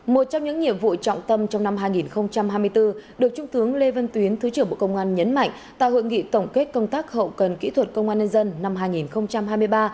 một trong những nhiệm vụ trọng tâm trong năm hai nghìn hai mươi bốn được trung tướng lê văn tuyến thứ trưởng bộ công an nhấn mạnh tại hội nghị tổng kết công tác hậu cần kỹ thuật công an nhân dân năm hai nghìn hai mươi ba